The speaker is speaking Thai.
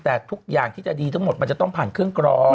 แต่ทุกอย่างที่จะดีทั้งหมดมันจะต้องผ่านเครื่องกรอง